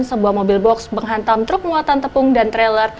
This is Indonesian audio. sebuah mobil box menghantam truk muatan tepung dan trailer